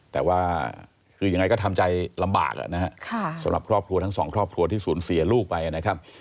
แต่ว่าคือยังไงก็ทำใจลำบากนะครับสำหรับครอบครัวทั้งสองครอบครัวที่สูญเสียลูกไปนะครับ